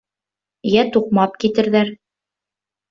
Йә туҡмап китерҙәр.